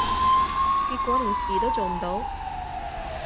結果連事都做唔到